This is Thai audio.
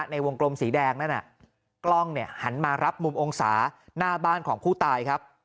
ในวงกลมสีแดงกล้องหันมารับมุมองศาหน้าบ้านของผู้ตายครับ